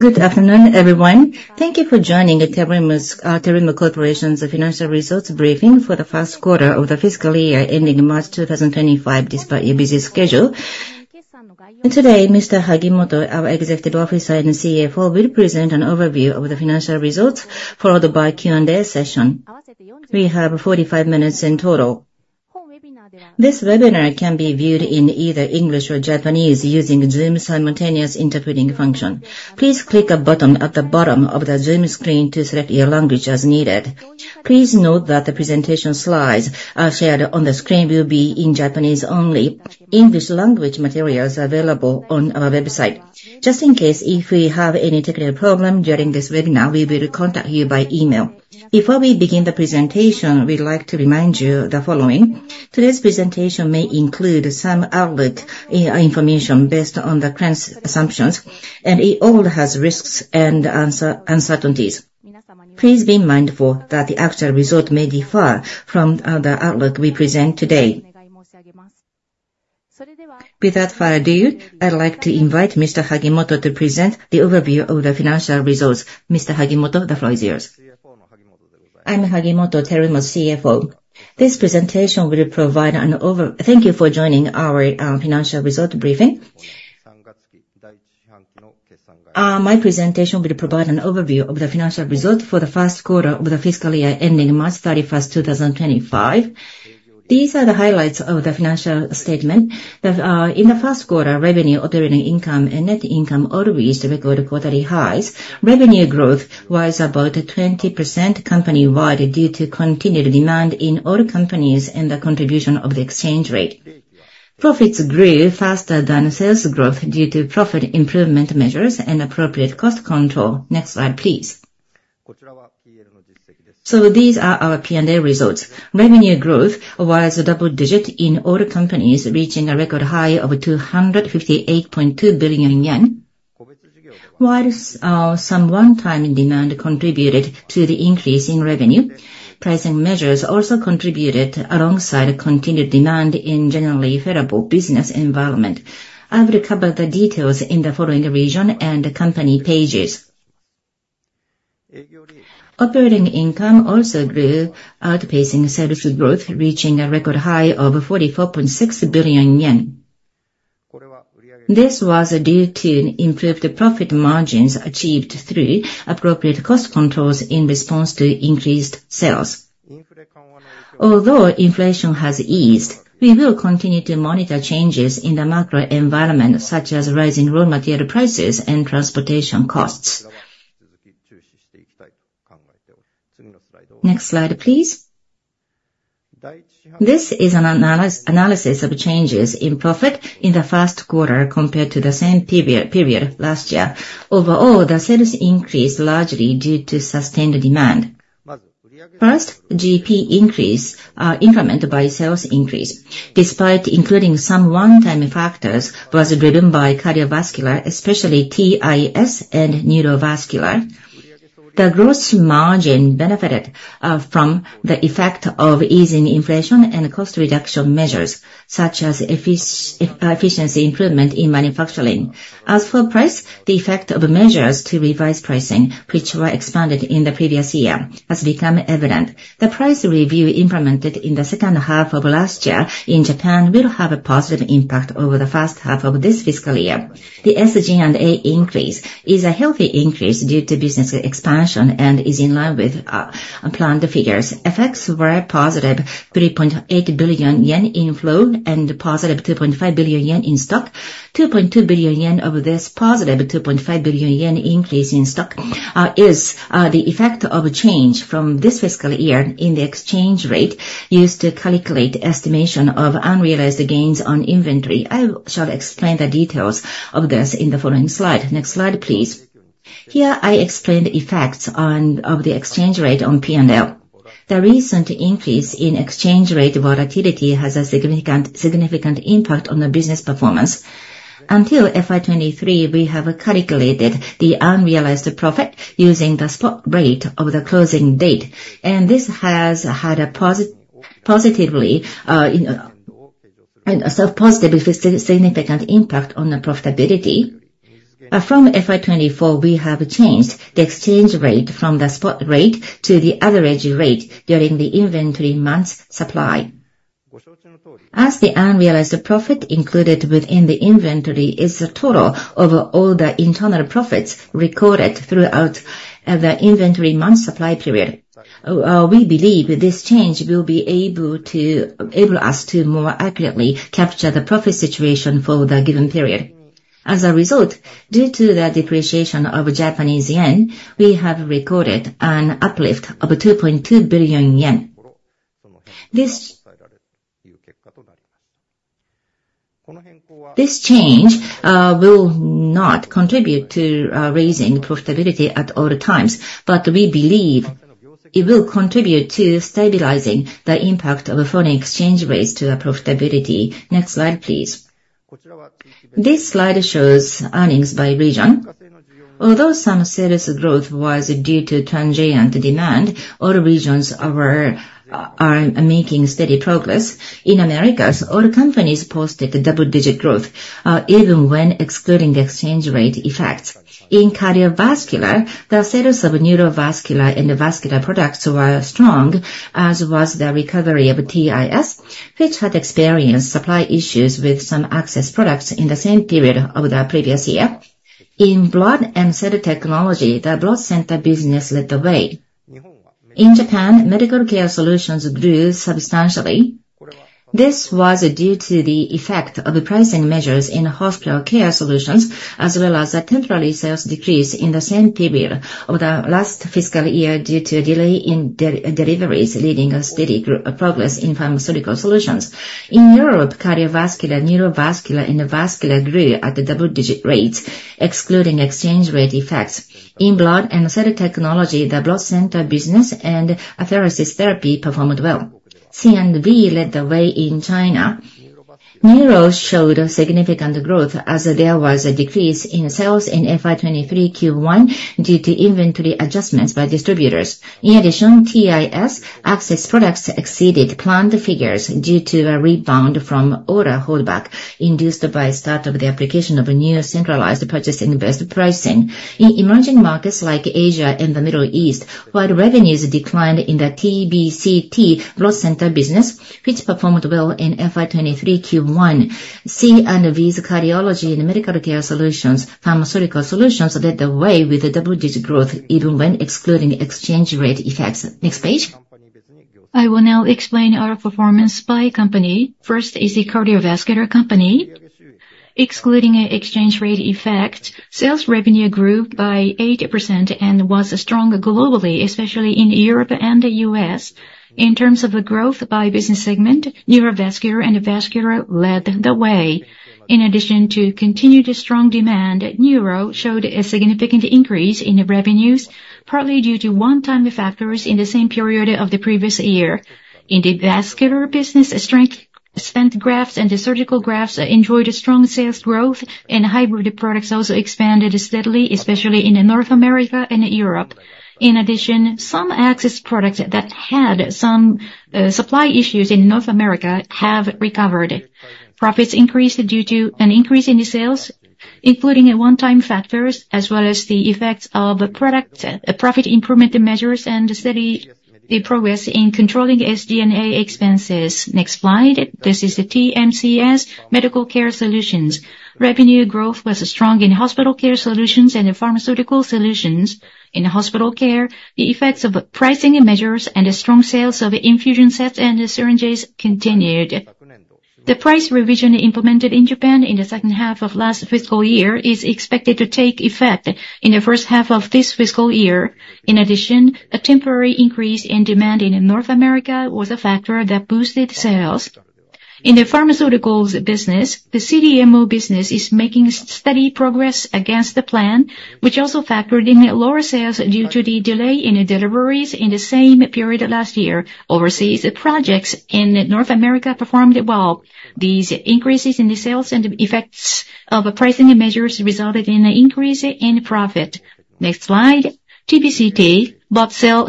Good afternoon, everyone. Thank you for joining the Terumo's, Terumo Corporation's financial results briefing for the first quarter of the fiscal year ending March 2025, despite your busy schedule. Today, Mr. Hagimoto, our Executive Officer and CFO, will present an overview of the financial results, followed by Q&A session. We have 45 minutes in total. This webinar can be viewed in either English or Japanese using the Zoom simultaneous interpreting function. Please click a button at the bottom of the Zoom screen to select your language as needed. Please note that the presentation slides are shared on the screen will be in Japanese only. English language materials are available on our website. Just in case, if we have any technical problem during this webinar, we will contact you by email. Before we begin the presentation, we'd like to remind you the following: today's presentation may include some outlook information based on the current assumptions, and it all has risks and uncertainties. Please be mindful that the actual result may differ from the outlook we present today. Without further ado, I'd like to invite Mr. Hagimoto to present the overview of the financial results. Mr. Hagimoto, the floor is yours. I'm Hagimoto, Terumo's CFO. This presentation will provide thank you for joining our financial result briefing. My presentation will provide an overview of the financial results for the first quarter of the fiscal year ending March thirty-first, two thousand and twenty-five. These are the highlights of the financial statement that in the first quarter, revenue, operating income, and net income all reached record quarterly highs. Revenue growth was about 20% company-wide due to continued demand in all companies and the contribution of the exchange rate. Profits grew faster than sales growth due to profit improvement measures and appropriate cost control. Next slide, please. So these are our P&L results. Revenue growth was double-digit in all companies, reaching a record high of 258.2 billion yen. While some one-time demand contributed to the increase in revenue, pricing measures also contributed alongside a continued demand in generally favorable business environment. I will cover the details in the following region and the company pages. Operating income also grew, outpacing sales growth, reaching a record high of 44.6 billion yen. This was due to improved profit margins achieved through appropriate cost controls in response to increased sales. Although inflation has eased, we will continue to monitor changes in the macro environment, such as rising raw material prices and transportation costs. Next slide, please. This is an analysis of changes in profit in the first quarter compared to the same period last year. Overall, the sales increased largely due to sustained demand. First, GP increase, increment by sales increase, despite including some one-time factors, was driven by cardiovascular, especially TIS and neurovascular. The gross margin benefited from the effect of easing inflation and cost reduction measures, such as efficiency improvement in manufacturing. As for price, the effect of measures to revise pricing, which were expanded in the previous year, has become evident. The price review implemented in the second half of last year in Japan will have a positive impact over the first half of this fiscal year. The SG&A increase is a healthy increase due to business expansion and is in line with planned figures. Effects were positive 3.8 billion yen in flow and positive 2.5 billion yen in stock. 2.2 billion yen of this positive 2.5 billion yen increase in stock is the effect of a change from this fiscal year in the exchange rate used to calculate estimation of unrealized gains on inventory. I shall explain the details of this in the following slide. Next slide, please. Here, I explain the effects of the exchange rate on P&L. The recent increase in exchange rate volatility has a significant, significant impact on the business performance. Until FY 2023, we have calculated the unrealized profit using the spot rate of the closing date, and this has had a positively, you know, a positive but significant impact on the profitability. But from FY 2024, we have changed the exchange rate from the spot rate to the average rate during the inventory months supply. As the unrealized profit included within the inventory is the total of all the internal profits recorded throughout, the inventory month supply period, we believe this change will be able to enable us to more accurately capture the profit situation for the given period. As a result, due to the depreciation of Japanese yen, we have recorded an uplift of 2.2 billion yen. This, this change, will not contribute to raising profitability at all times, but we believe it will contribute to stabilizing the impact of foreign exchange rates to the profitability. Next slide, please. ... This slide shows earnings by region. Although some sales growth was due to transient demand, all regions are making steady progress. In Americas, all companies posted a double-digit growth, even when excluding the exchange rate effects. In cardiovascular, the sales of neurovascular and the vascular products were strong, as was the recovery of TIS, which had experienced supply issues with some access products in the same period of the previous year. In blood and cell technology, the blood center business led the way. In Japan, medical care solutions grew substantially. This was due to the effect of the pricing measures in hospital care solutions, as well as a temporary sales decrease in the same period of the last fiscal year, due to a delay in deliveries, leading to steady progress in pharmaceutical solutions. In Europe, cardiovascular, neurovascular and vascular grew at a double-digit rates, excluding exchange rate effects. In blood and cell technology, the blood center business and apheresis therapy performed well. C&V led the way in China. Neuro showed a significant growth as there was a decrease in sales in FY23 Q1 due to inventory adjustments by distributors. In addition, TIS access products exceeded planned figures due to a rebound from order holdback, induced by start of the application of a new centralized purchasing best pricing. In emerging markets like Asia and the Middle East, while revenues declined in the TBCT blood center business, which performed well in FY23 Q1, C&V's cardiology and medical care solutions, pharmaceutical solutions led the way with a double-digit growth, even when excluding exchange rate effects. Next page. I will now explain our performance by company. First is the cardiovascular company. Excluding an exchange rate effect, sales revenue grew by 80% and was strong globally, especially in Europe and the U.S. In terms of the growth by business segment, neurovascular and vascular led the way. In addition to continued strong demand, neuro showed a significant increase in the revenues, partly due to one-time factors in the same period of the previous year. In the vascular business, strong stent grafts and the surgical grafts enjoyed a strong sales growth, and hybrid products also expanded steadily, especially in North America and Europe. In addition, some access products that had some supply issues in North America have recovered. Profits increased due to an increase in the sales, including a one-time factors, as well as the effects of the product profit improvement measures and steady progress in controlling SG&A expenses. Next slide. This is the TMCS Medical Care Solutions. Revenue growth was strong in hospital care solutions and in pharmaceutical solutions. In hospital care, the effects of pricing measures and the strong sales of infusion sets and syringes continued. The price revision implemented in Japan in the second half of last fiscal year is expected to take effect in the first half of this fiscal year. In addition, a temporary increase in demand in North America was a factor that boosted sales. In the pharmaceuticals business, the CDMO business is making steady progress against the plan, which also factored in lower sales due to the delay in the deliveries in the same period last year. Overseas projects in North America performed well. These increases in the sales and effects of pricing measures resulted in an increase in profit. Next slide, TBCT, Blood and Cell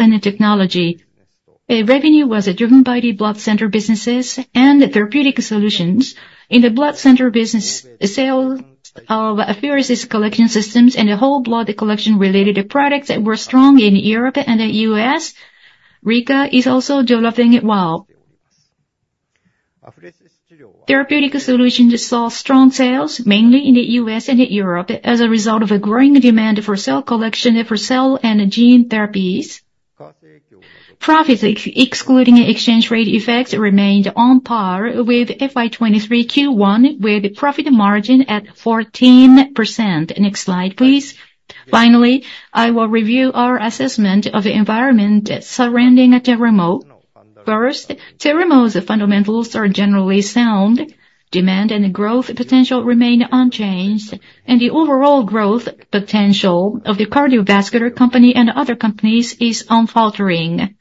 Technologies. Our revenue was driven by the blood center businesses and therapeutic solutions. In the blood center business, sales of apheresis collection systems and whole blood collection-related products were strong in Europe and the U.S. Rika is also developing well. Therapeutic solutions saw strong sales, mainly in the U.S. and Europe, as a result of a growing demand for cell collection for cell and gene therapies. Profits, excluding exchange rate effects, remained on par with FY23 Q1, with profit margin at 14%. Next slide, please. Finally, I will review our assessment of the environment surrounding Terumo. First, Terumo's fundamentals are generally sound. Demand and growth potential remain unchanged, and the overall growth potential of the cardiovascular company and other companies is unfaltering.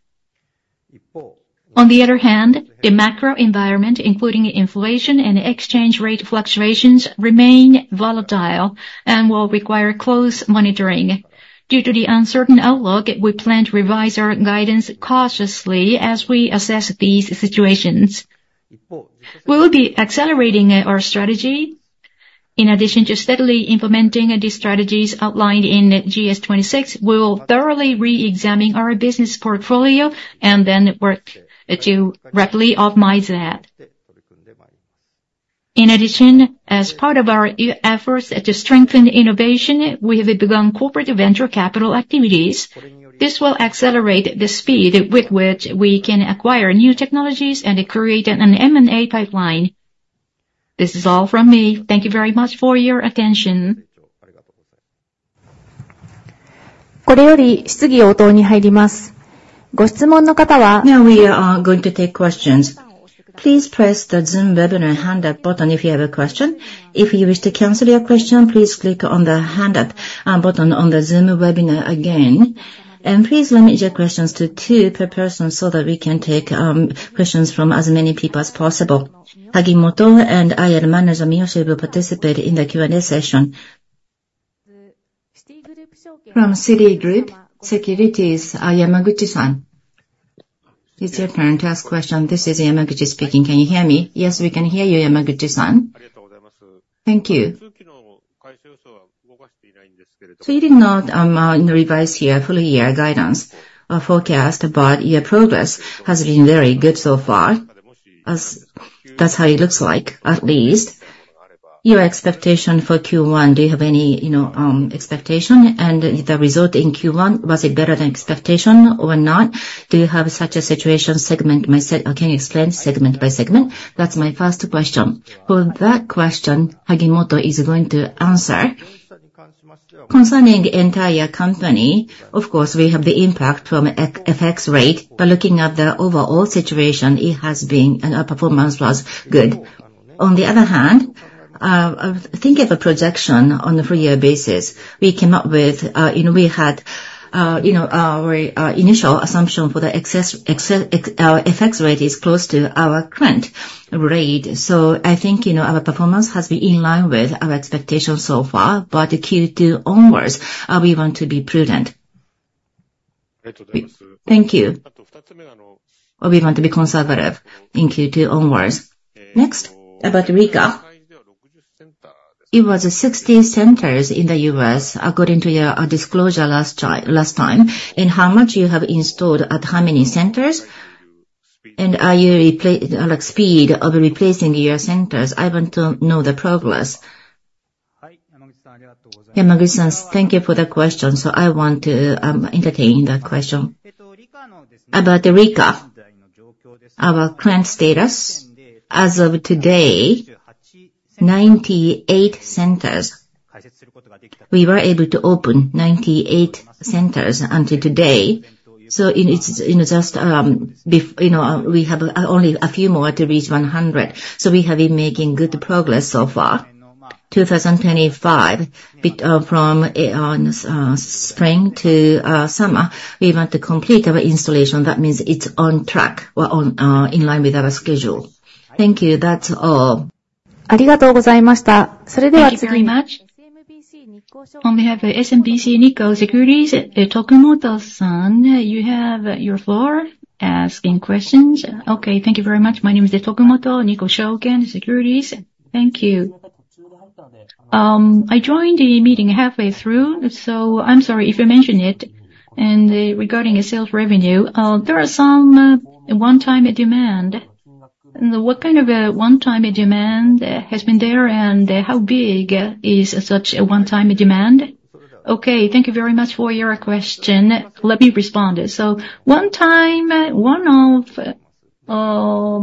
On the other hand, the macro environment, including inflation and exchange rate fluctuations, remain volatile and will require close monitoring. Due to the uncertain outlook, we plan to revise our guidance cautiously as we assess these situations. We will be accelerating our strategy. In addition to steadily implementing the strategies outlined in GS26, we will thoroughly re-examine our business portfolio and then work to rapidly optimize that. In addition, as part of our efforts to strengthen innovation, we have begun corporate venture capital activities. This will accelerate the speed with which we can acquire new technologies and create an M&A pipeline. This is all from me. Thank you very much for your attention. Now, we are going to take questions. Please press the Zoom webinar hand up button if you have a question. If you wish to cancel your question, please click on the Hand Up button on the Zoom webinar again, and please limit your questions to two per person so that we can take questions from as many people as possible. Hagimoto and IR Manager Miyoshi will participate in the Q&A session.... from Citigroup Securities, Yamaguchi. Is it okay to ask question? This is Yamaguchi speaking. Can you hear me? Yes, we can hear you, Yamaguchi. Thank you. So you did not revise your full year guidance or forecast, but your progress has been very good so far, as that's how it looks like, at least. Your expectation for Q1, do you have any, you know, expectation? And the result in Q1, was it better than expectation or not? Do you have such a situation segment by segment? Can you explain segment by segment? That's my first question. For that question, Hagimoto is going to answer. Concerning the entire company, of course, we have the impact from FX rate, but looking at the overall situation, it has been, and our performance was good. On the other hand, thinking of a projection on a full year basis, we came up with... You know, we had, you know, our initial assumption for the FX rate is close to our current rate. So I think, you know, our performance has been in line with our expectations so far, but Q2 onwards, we want to be prudent. Thank you. Or we want to be conservative in Q2 onwards. Next, about Rika. It was 60 centers in the U.S. according to your disclosure last time, and how many you have installed at how many centers? And are you replacing—like, speed of replacing your centers, I want to know the progress. Yamaguchi, thank you for the question. So I want to entertain that question. About Rika, our current status as of today, 98 centers. We were able to open 98 centers until today. So it's, you know, just, you know, we have only a few more to reach 100. So we have been making good progress so far. 2025, bit from spring to summer, we want to complete our installation. That means it's on track or in line with our schedule. Thank you. That's all. Thank you very much. On behalf of SMBC Nikko Securities, Tokumoto, you have your floor asking questions. Okay. Thank you very much. My name is Tokumoto, SMBC Nikko Securities. Thank you. I joined the meeting halfway through, so I'm sorry if you mentioned it. Regarding sales revenue, there are some one-time demand. What kind of a one-time demand has been there, and how big is such a one-time demand? Okay, thank you very much for your question. Let me respond. So one time, one of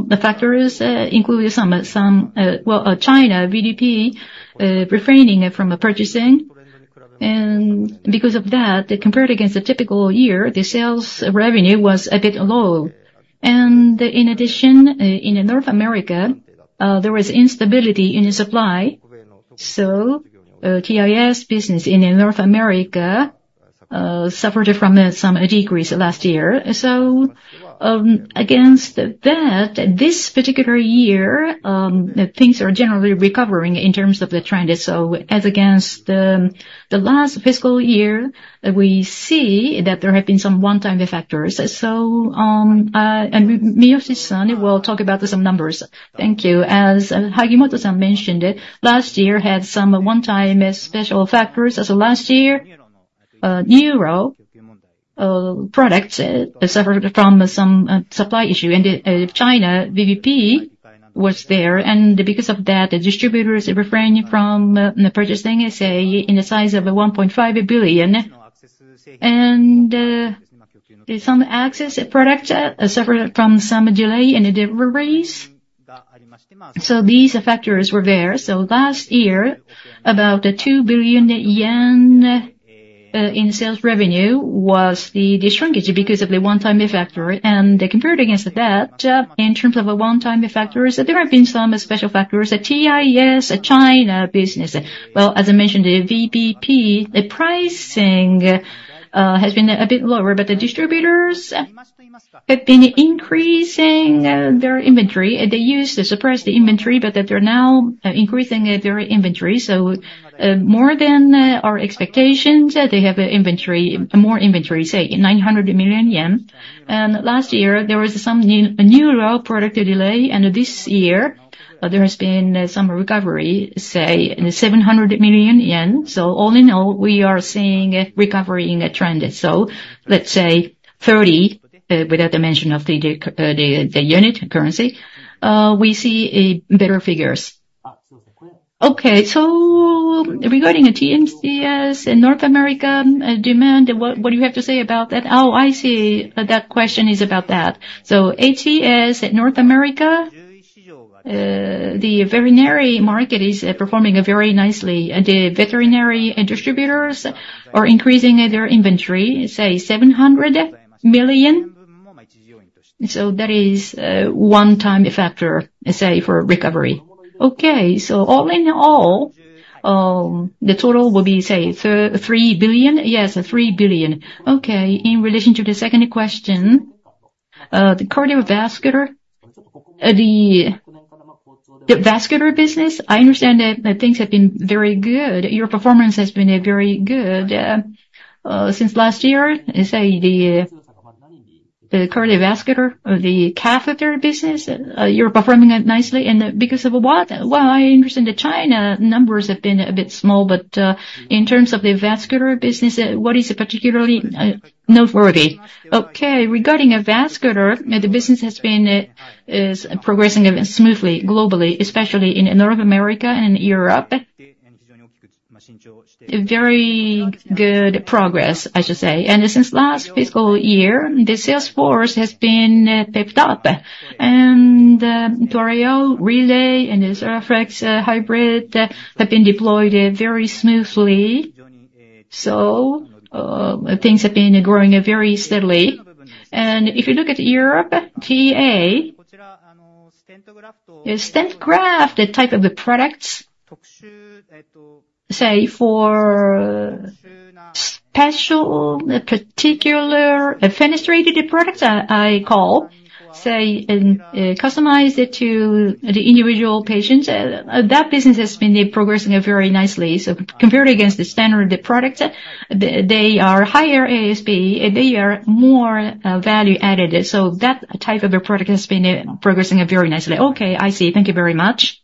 the factors including some China VBP refraining from purchasing. Because of that, compared against a typical year, the sales revenue was a bit low. In addition, in North America, there was instability in the supply, so TIS business in North America suffered from some decrease last year. So, against that, this particular year, things are generally recovering in terms of the trend. So as against the last fiscal year, we see that there have been some one-time factors. And Miyoshi will talk about some numbers. Thank you. As Hagimoto mentioned it, last year had some one-time special factors. So last year, Neuro products suffered from some supply issue, and China VBP was there. And because of that, the distributors refrained from purchasing, say, in the size of $1.5 billion. And some access product suffered from some delay in the deliveries. So these factors were there. So last year, about 2 billion yen in sales revenue was the shrinkage because of the one-time factor. Compared against that, in terms of one-time factors, there have been some special factors. At TIS, at China business, well, as I mentioned, the VBP, the pricing, has been a bit lower, but the distributors have been increasing, their inventory. They used to suppress the inventory, but they're now increasing their inventory. So, more than, our expectations, they have an inventory, more inventory, say 900 million yen. And last year, there was some new product delay, and this year, there has been some recovery, say, 700 million yen. So all in all, we are seeing a recovery in the trend. So let's say 30, without the mention of the unit currency, we see better figures. Okay, so regarding the TMCS in North America demand, what do you have to say about that? Oh, I see. That question is about that. So TIS at North America, the veterinary market is performing very nicely. The veterinary distributors are increasing their inventory, say, 700 million. So that is a one-time factor, say, for recovery. Okay. So all in all, the total will be, say, three billion? Yes, 3 billion. Okay. In relation to the second question, the cardiovascular, the vascular business, I understand that things have been very good. Your performance has been very good since last year. Say, the cardiovascular or the catheter business, you're performing it nicely, and because of what? Well, I understand that China numbers have been a bit small, but in terms of the vascular business, what is particularly noteworthy? Okay, regarding vascular, the business has been is progressing smoothly globally, especially in North America and Europe. A very good progress, I should say. Since last fiscal year, the sales force has been picked up. TREO, Relay, and Thoraflex Hybrid have been deployed very smoothly. Things have been growing very steadily. If you look at Europe, TA, the stent graft, the type of the products, say, for special, particular, fenestrated products, I call, say, customized to the individual patients, that business has been progressing very nicely. Compared against the standard products, they are higher ASP, they are more value-added. That type of a product has been progressing very nicely. Okay, I see. Thank you very much.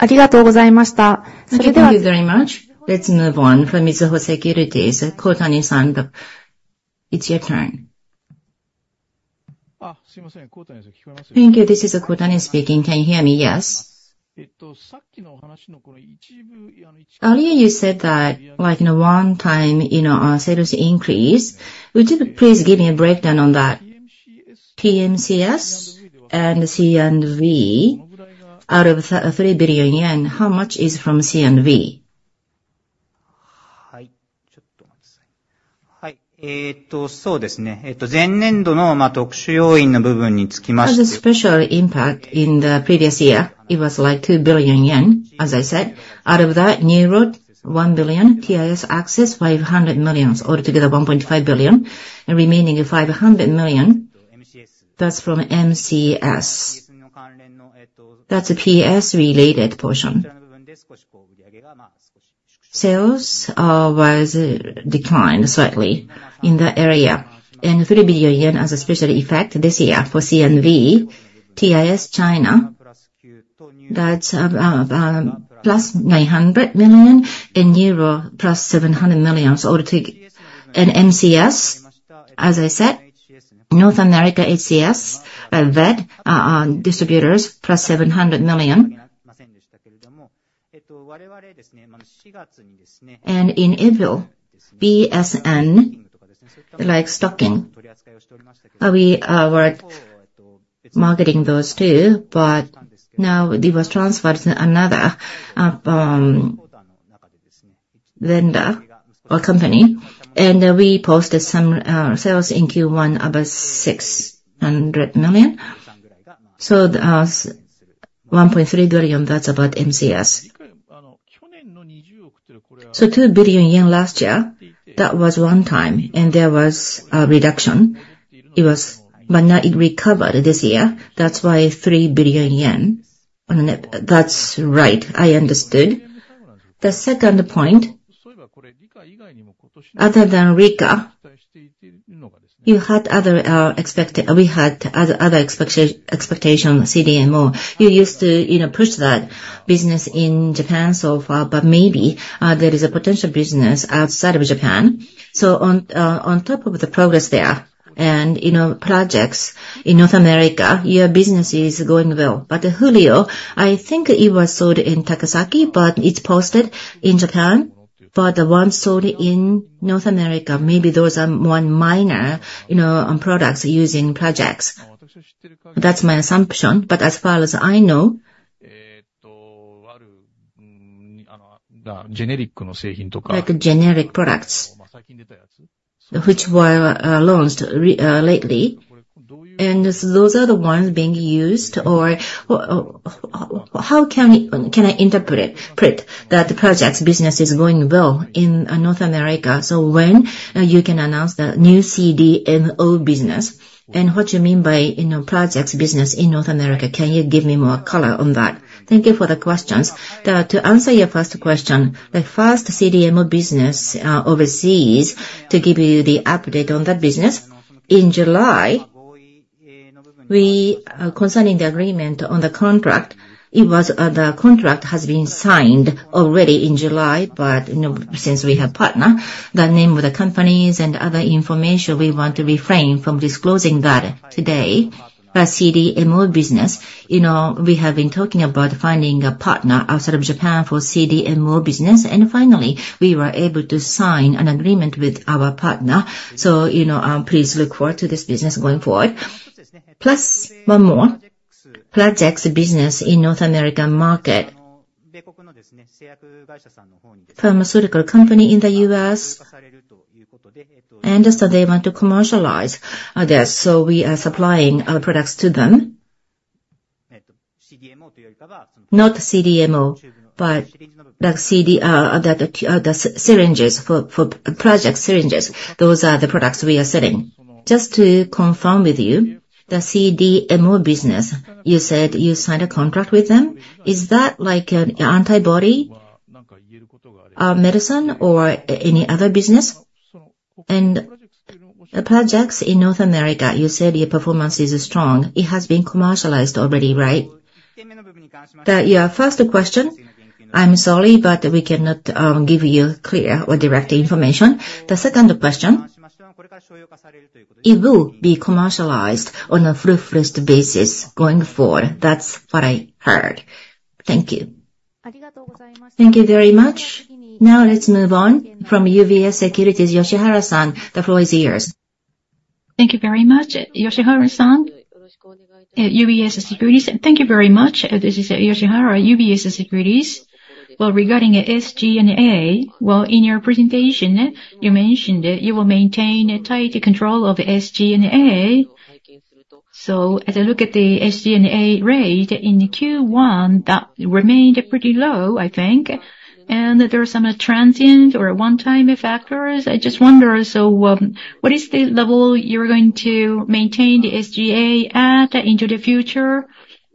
Thank you very much. Let's move on for Mizuho Securities, Kotani, it's your turn. Thank you. This is Kotani speaking. Can you hear me? Yes. Earlier, you said that, like, in a one time, you know, our sales increase, would you please give me a breakdown on that TMCS and C&V? Out of the 3 billion yen, how much is from C&V? As a special impact in the previous year, it was like 2 billion yen. As I said, out of that, neuro, 1 billion, TIS access, 500 million, all together, 1.5 billion, and remaining 500 million, that's from MCS. That's a PS-related portion. Sales was declined slightly in the area, and 3 billion yen as a special effect this year for C&V. TIS China, that's, plus JPY 900 million, in Europe, plus JPY 700 million all together. MCS, as I said, North America, ACS, VET, distributors, plus JPY 700 million. In April, BSN, like stocking, we were marketing those, too, but now it was transferred to another vendor or company, and we posted some sales in Q1 about 600 million. So that's 1.3 billion, that's about MCS. So 2 billion yen last year, that was one time, and there was a reduction. It was, but not recovered this year. That's why 3 billion yen on it. That's right, I understood. The second point, other than Rika, you had other, we had other, other expectation CDMO. You used to, you know, push that business in Japan so far, but maybe there is a potential business outside of Japan. So on top of the progress there and, you know, projects in North America, your business is going well. But Hulio, I think it was sold in Takasaki, but it's posted in Japan. For the one sold in North America, maybe those are more minor, you know, products using projects. That's my assumption. But as far as I know... like generic products, which were launched lately, and those are the ones being used, or how can I interpret that the projects business is going well in North America? So when you can announce the new CDMO business, and what do you mean by, you know, projects business in North America? Can you give me more color on that? Thank you for the questions. To answer your first question, the first CDMO business overseas, to give you the update on that business, in July, we, concerning the agreement on the contract, it was the contract has been signed already in July, but, you know, since we have partner, the name of the companies and other information, we want to refrain from disclosing that today. But CDMO business, you know, we have been talking about finding a partner outside of Japan for CDMO business, and finally, we were able to sign an agreement with our partner. So, you know, please look forward to this business going forward. Plus, one more. Projects business in North American market. Pharmaceutical company in the U.S., and so they want to commercialize this, so we are supplying our products to them. Not CDMO.... but like CD, the syringes for projects syringes, those are the products we are selling. Just to confirm with you, the CDMO business, you said you signed a contract with them. Is that like an antibody, medicine or any other business? And the projects in North America, you said your performance is strong. It has been commercialized already, right? Yeah, first question, I'm sorry, but we cannot give you clear or direct information. The second question, it will be commercialized on a fruitful basis going forward. That's what I heard. Thank you. Thank you very much. Now let's move on from UBS Securities, Yoshihara San. The floor is yours. Thank you very much, Yoshihara San at UBS Securities. Thank you very much. This is Yoshihara, UBS Securities. Well, regarding SG&A, well, in your presentation, you mentioned that you will maintain a tighter control of SG&A. So as I look at the SG&A rate in Q1, that remained pretty low, I think, and there are some transient or one-time factors. I just wonder, so, what is the level you're going to maintain the SGA at into the future?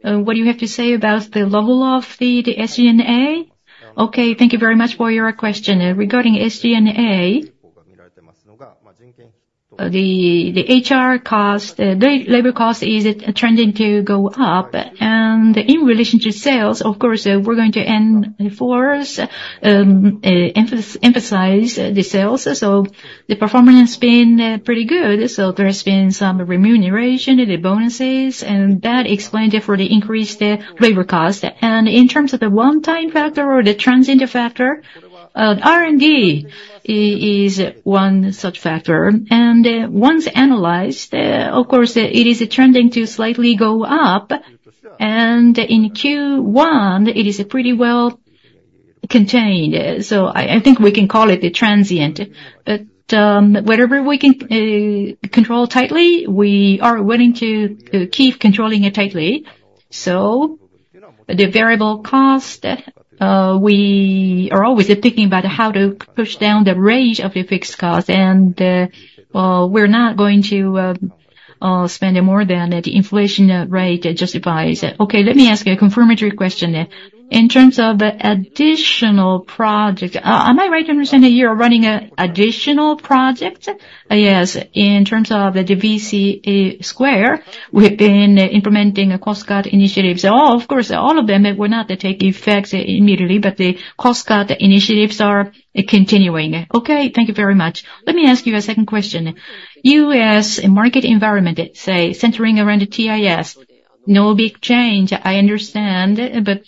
What do you have to say about the level of the, the SG&A? Okay, thank you very much for your question. Regarding SG&A, the, the HR cost, the labor cost is trending to go up, and in relation to sales, of course, we're going to enforce, emphasize the sales. So the performance has been pretty good, so there has been some remuneration and the bonuses, and that explained it for the increased labor cost. And in terms of the one-time factor or the transient factor, R&D is one such factor. And once analyzed, of course, it is trending to slightly go up, and in Q1, it is pretty well contained. So I think we can call it a transient. But whatever we can control tightly, we are willing to keep controlling it tightly. So the variable cost, we are always thinking about how to push down the range of the fixed cost, and well, we're not going to spend more than the inflation rate justifies it. Okay, let me ask a confirmatory question. In terms of additional project, am I right to understand that you are running an additional project? Yes. In terms of the VC2 square, we have been implementing a cost cut initiatives. All, of course, all of them will not take effect immediately, but the cost cut initiatives are continuing. Okay, thank you very much. Let me ask you a second question. U.S. market environment, say, centering around the TIS, no big change, I understand, but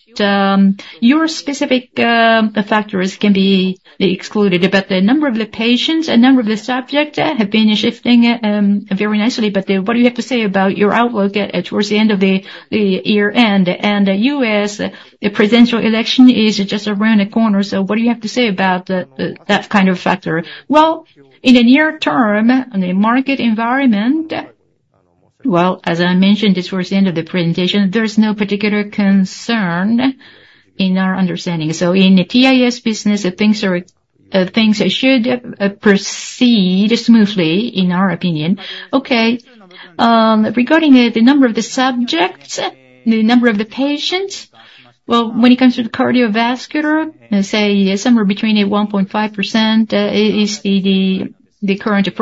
your specific factors can be excluded, but the number of the patients and number of the subject have been shifting very nicely. But what do you have to say about your outlook towards the end of the year-end? And U.S. presidential election is just around the corner, so what do you have to say about that kind of factor? Well, in the near term, in the market environment, well, as I mentioned towards the end of the presentation, there's no particular concern in our understanding. So in the TIS business, things are, things should proceed smoothly in our opinion. Okay. Regarding the number of the subjects, the number of the patients, well, when it comes to the cardiovascular, let's say somewhere between a 1.5% is the current progress, I've been told. And when it comes to peripheral, the neural arenas, somewhere between the 6% and the 10%, higher single digit. So the market, the patient count should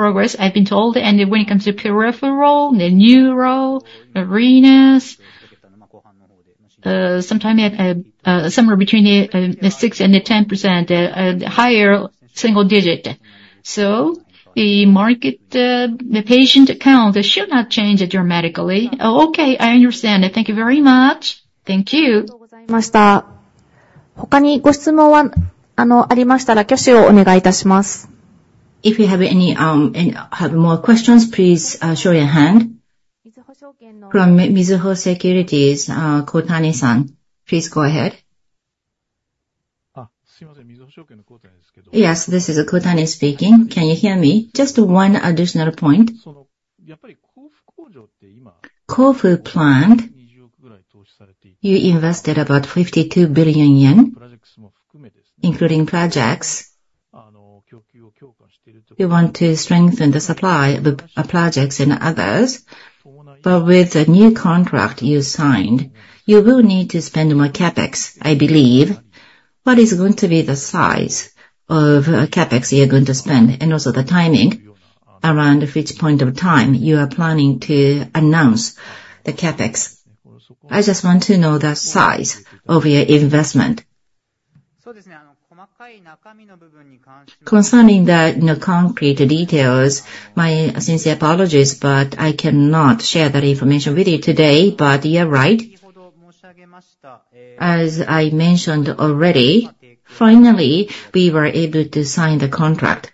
not change dramatically. Okay, I understand. Thank you very much. Thank you. If you have any more questions, please show your hand. From Mizuho Securities, Kotani San, please go ahead. Yes, this is Kotani speaking. Can you hear me? Just one additional point. Kofu plant, you invested about 52 billion yen, including projects. You want to strengthen the supply of projects and others, but with the new contract you signed, you will need to spend more CapEx, I believe. What is going to be the size of CapEx you're going to spend, and also the timing around which point of time you are planning to announce the CapEx? I just want to know the size of your investment. Concerning the concrete details, my sincere apologies, but I cannot share that information with you today. But you are right. As I mentioned already, finally, we were able to sign the contract.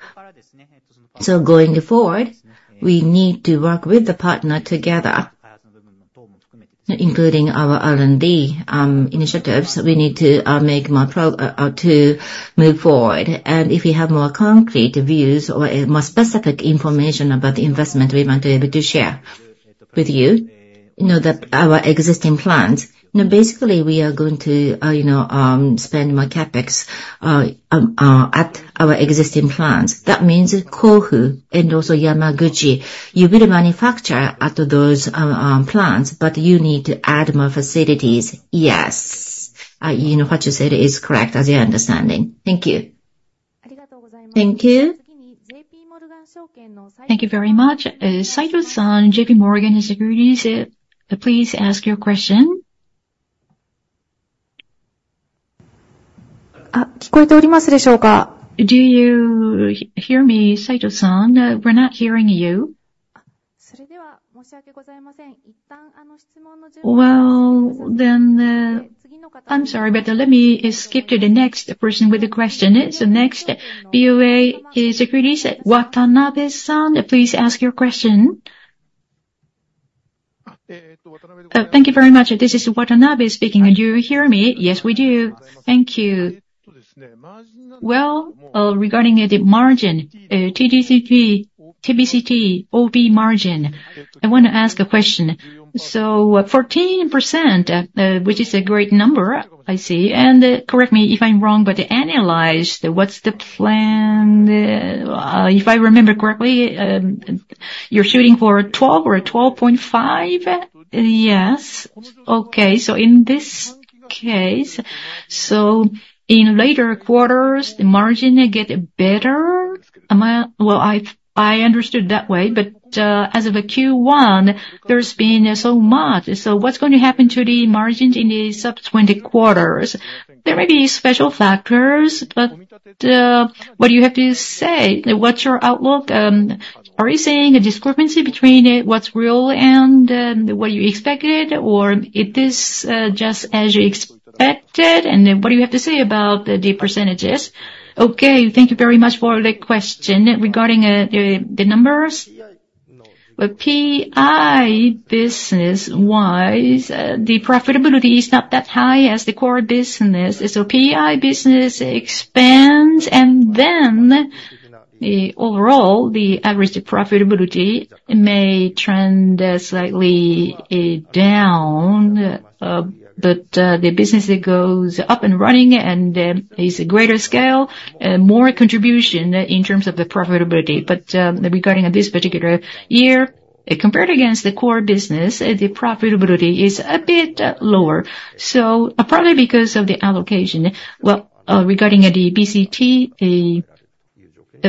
Going forward, we need to work with the partner together, including our R&D initiatives. We need to make more to move forward. If we have more concrete views or more specific information about the investment, we want to able to share.... with you, you know, that our existing plans, you know, basically we are going to spend more CapEx at our existing plants. That means Kofu and also Yamaguchi. You will manufacture at those plants, but you need to add more facilities. Yes. You know, what you said is correct, as I understand. Thank you. Thank you. Thank you very much. Saito, JP Morgan Securities, please ask your question. Uh,. Do you hear me, Saito? We're not hearing you. Well, then, I'm sorry, but, let me skip to the next person with the question. So next, BOA Securities, Watanabe, please ask your question. Thank you very much. This is Watanabe speaking. Do you hear me? Yes, we do. Thank you. Well, regarding the margin, TDCT, TBCT, OP margin, I want to ask a question. So 14%, which is a great number, I see, and, correct me if I'm wrong, but analyze the what's the plan... If I remember correctly, you're shooting for a 12 or a 12.5? Yes. Okay, so in this case, so in later quarters, the margin will get better? Am I? Well, I understood that way, but as of Q1, there's been so much. So what's going to happen to the margins in the subsequent quarters? There may be special factors, but what do you have to say? What's your outlook? Are you saying a discrepancy between what's real and what you expected, or it is just as you expected? And then what do you have to say about the percentages? Okay, thank you very much for the question. Regarding the numbers, the PI business-wise, the profitability is not that high as the core business. As the PI business expands, and then the overall, the average profitability may trend slightly down, but the business goes up and running, and is a greater scale, more contribution in terms of the profitability. But, regarding this particular year, compared against the core business, the profitability is a bit lower, so probably because of the allocation. Well, regarding the BCT, the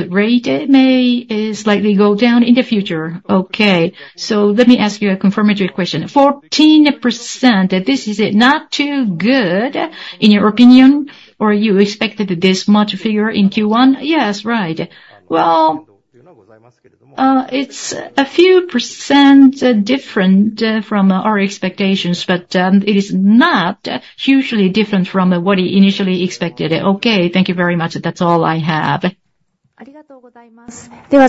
rate may slightly go down in the future. Okay, so let me ask you a confirmatory question. 14%, this is not too good in your opinion, or you expected this much figure in Q1? Yes, right. Well, it's a few percent different from our expectations, but it is not hugely different from what we initially expected. Okay, thank you very much. That's all I have. Thank you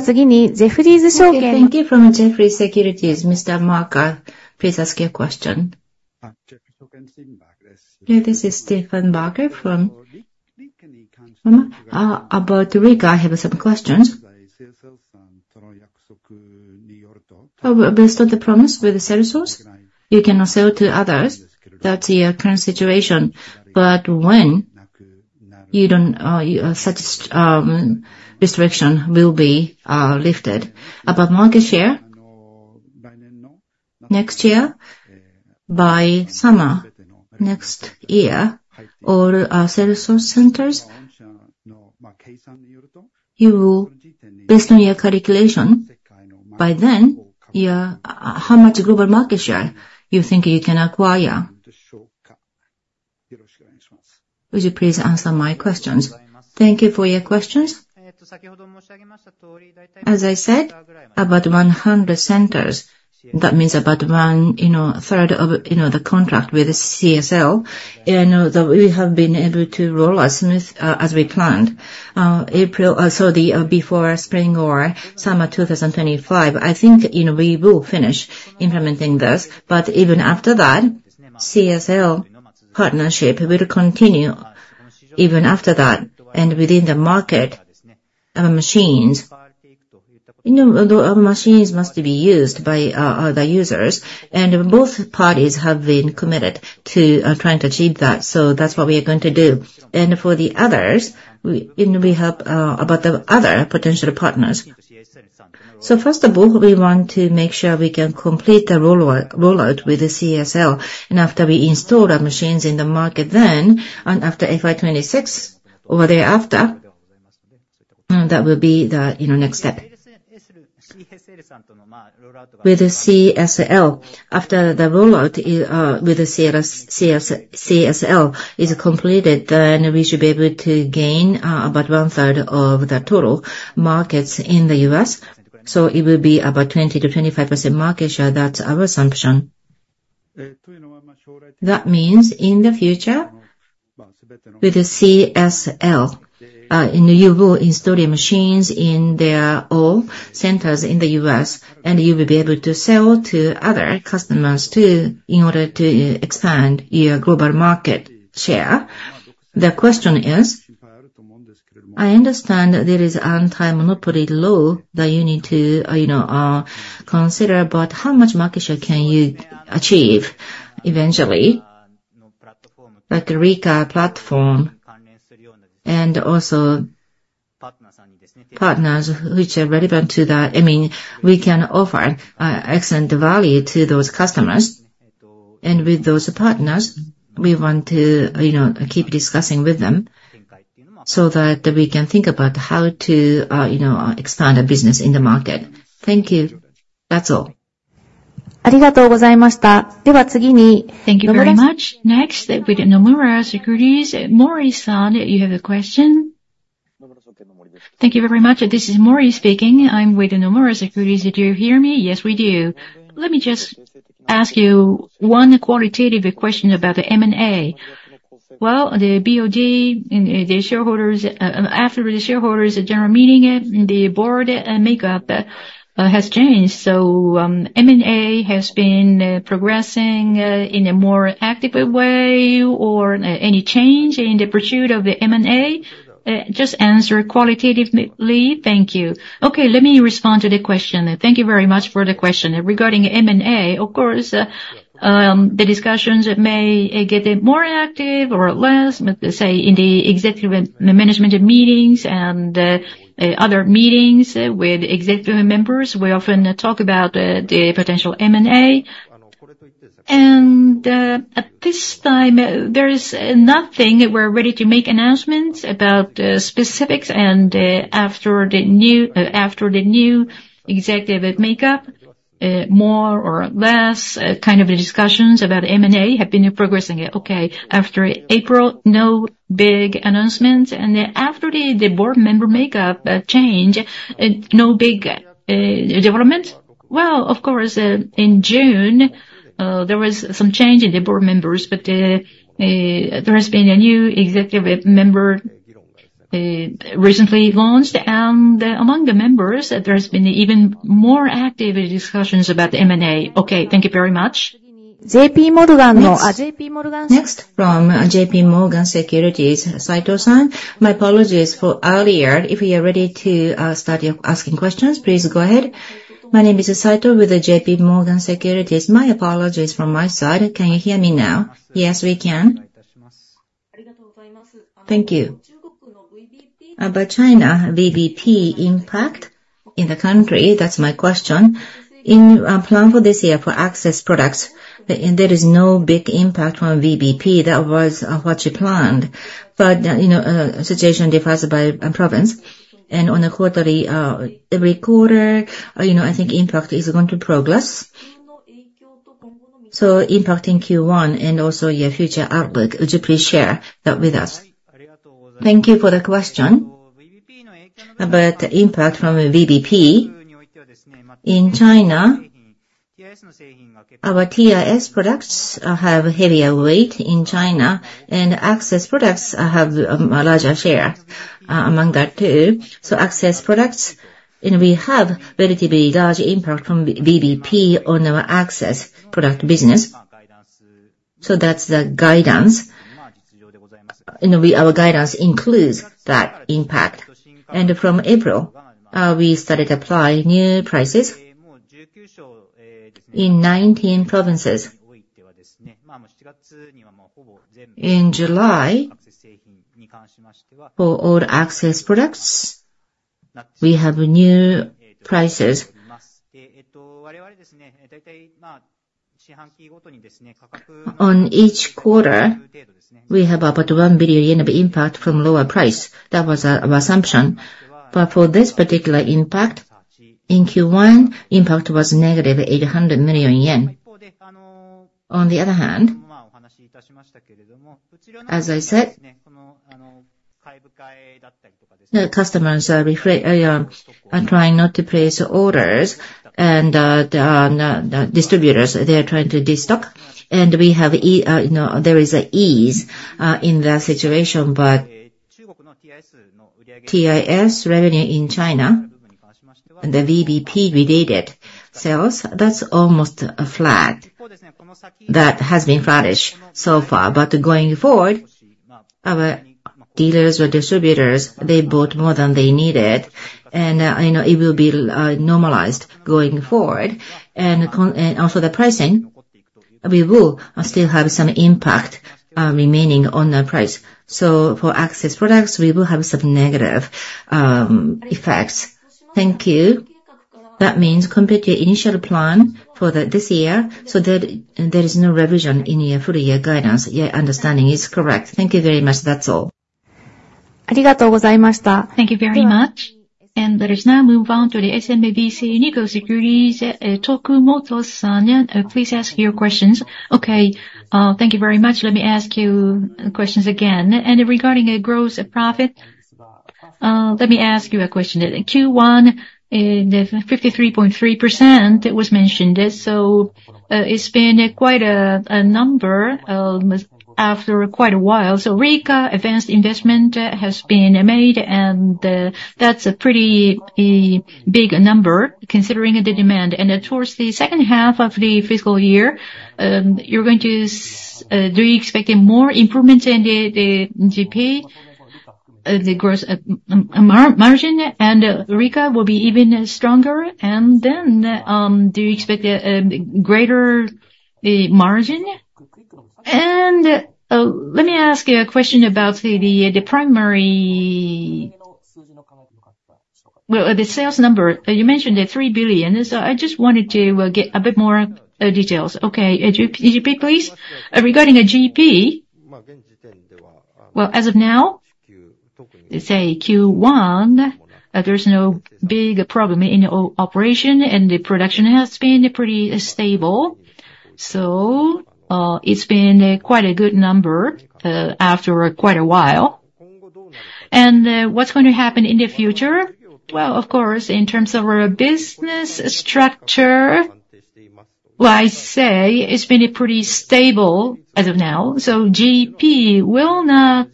from Jefferies Securities, Mr. Barker, please ask your question. This is Stephen Barker from Jefferies. I have some questions. Based on the promise with the sole source, you cannot sell to others. That's your current situation. But when do you think such restriction will be lifted? About market share, next year, by summer next year, all our sole source centers, based on your calculation, by then, how much global market share you think you can acquire? Would you please answer my questions? Thank you for your questions. As I said, about 100 centers, that means about one third of the contract with CSL, and we have been able to roll out smooth as we planned. April, so before spring or summer 2025, I think, you know, we will finish implementing this. But even after that, CSL partnership will continue even after that, and within the market, our machines, you know, our machines must be used by the users, and both parties have been committed to trying to achieve that. So that's what we are going to do. For the others, we have about the other potential partners. First of all, we want to make sure we can complete the rollout with the CSL, and after we install our machines in the market then, and after FY 2026 or thereafter, that will be, you know, the next step. With the CSL, after the rollout, with the CSL is completed, then we should be able to gain about one-third of the total markets in the U.S., so it will be about 20%-25% market share. That's our assumption. That means in the future, with the CSL, and you will install your machines in their all centers in the U.S., and you will be able to sell to other customers, too, in order to expand your global market share. The question is. I understand that there is anti-monopoly law that you need to, you know, consider, but how much market share can you achieve eventually? Like the Rika platform and also partners which are relevant to that. I mean, we can offer excellent value to those customers, and with those partners, we want to, you know, keep discussing with them so that we can think about how to, you know, expand the business in the market. Thank you. That's all. Thank you very much. Next, with Nomura Securities, Mori, you have a question? Thank you very much. This is Mori speaking. I'm with Nomura Securities. Do you hear me? Yes, we do. Let me just ask you one qualitative question about the M&A. Well, the BOD and the shareholders, after the shareholders general meeting, the board makeup has changed, so, M&A has been progressing in a more active way or any change in the pursuit of the M&A? Just answer qualitatively. Thank you. Okay, let me respond to the question. Thank you very much for the question. Regarding M&A, of course, the discussions may get more active or less, but say, in the executive management meetings and other meetings with executive members, we often talk about the potential M&A. And at this time, there is nothing we're ready to make announcements about specifics, and after the new executive makeup, more or less, kind of discussions about M&A have been progressing. Okay. After April, no big announcements, and after the board member makeup change, no big development? Well, of course, in June, there was some change in the board members, but there has been a new executive member recently launched, and among the members, there has been even more active discussions about the M&A. Okay. Thank you very much. JPMorgan- Next. Next, from JPMorgan Securities, Saito. My apologies for earlier. If you are ready to start asking questions, please go ahead. My name is Saito with the JPMorgan Securities. My apologies from my side. Can you hear me now? Yes, we can. Thank you. About China, VBP impact in the country, that's my question. In our plan for this year for access products, there is no big impact from VBP. That was what you planned. But you know, situation differs by province, and on a quarterly, every quarter, you know, I think impact is going to progress. So impact in Q1 and also your future outlook, would you please share that with us? Thank you for the question. About impact from VBP in China, our TIS products have heavier weight in China, and access products have a larger share among that too. So access products, and we have relatively large impact from VBP on our access product business, so that's the guidance. And we, our guidance includes that impact. And from April, we started to apply new prices in 19 provinces. In July, for all access products, we have new prices. On each quarter, we have about 1 billion yen of impact from lower price. That was our assumption. But for this particular impact, in Q1, impact was negative 800 million yen. On the other hand, as I said, the customers are trying not to place orders, and the distributors, they are trying to destock, and we have, you know, there is an ease in the situation. But TIS revenue in China, the VBP-related sales, that's almost flat. That has been flattish so far. But going forward, our dealers or distributors, they bought more than they needed, and, you know, it will be normalized going forward. And also the pricing, we will still have some impact remaining on the price. So for access products, we will have some negative effects. Thank you. That means compared to your initial plan for this year, so there is no revision in your full year guidance. Your understanding is correct. Thank you very much. That's all. Thank you very much. Let us now move on to the SMBC Nikko Securities, Tokumoto. Please ask your questions. Okay, thank you very much. Let me ask you questions again. And regarding a gross profit, let me ask you a question. In Q1, the 53.3% was mentioned, so it's been quite a number after quite a while. So Rika advanced investment has been made, and that's a pretty big number considering the demand. And towards the second half of the fiscal year, do you expect more improvement in the GP? The gross margin and Rika will be even stronger? And then, do you expect a greater margin? And let me ask you a question about the primary, well, the sales number. You mentioned the 3 billion, so I just wanted to get a bit more details. Okay, GP, could you repeat, please? Regarding a GP, well, as of now, say Q1, there's no big problem in operation, and the production has been pretty stable. So, it's been quite a good number after quite a while. And what's going to happen in the future? Well, of course, in terms of our business structure, well, I'd say it's been pretty stable as of now. So GP will not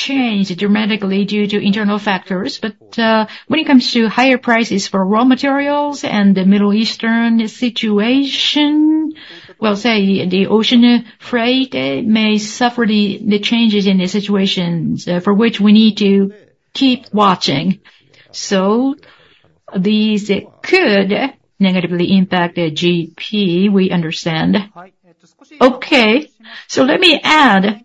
change dramatically due to internal factors. But when it comes to higher prices for raw materials and the Middle Eastern situation, we'll say the ocean freight may suffer the changes in the situations for which we need to keep watching. So these could negatively impact the GP, we understand. Okay, so let me add.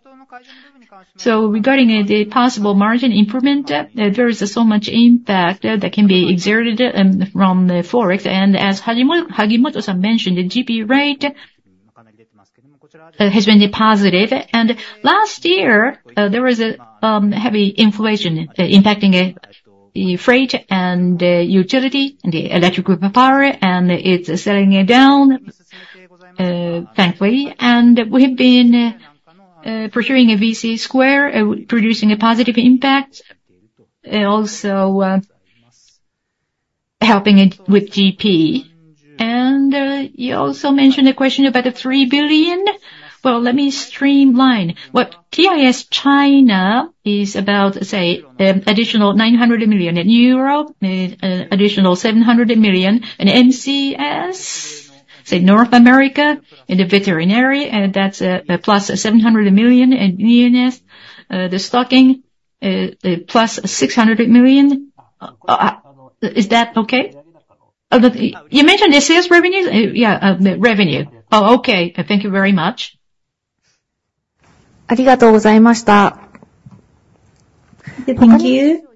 So regarding the possible margin improvement, there is so much impact that can be exerted from the Forex. And as Hagimoto mentioned, the GP rate has been positive. And last year there was a heavy inflation impacting the freight and utility, the electric power, and it's settling it down, thankfully. And we have been pursuing a VC square, producing a positive impact, also helping it with GP. And you also mentioned a question about the 3 billion. Well, let me streamline. What TIS China is about, say, additional JPY 900 million, in Europe, additional JPY 700 million, in MCS, say North America, in the veterinary, and that's a plus 700 million, in UNS, the stocking, plus 600 million. Is that okay? You mentioned the sales revenues? Yeah, the revenue. Oh, okay. Thank you very much. Thank you.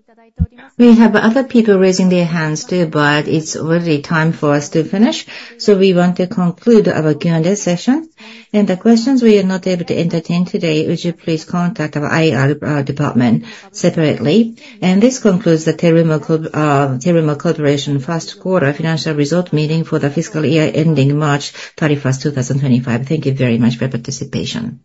We have other people raising their hands, too, but it's already time for us to finish, so we want to conclude our Q&A session. The questions we are not able to entertain today, would you please contact our IR department separately. This concludes the Terumo Corporation first quarter financial result meeting for the fiscal year ending March 31, 2025. Thank you very much for your participation.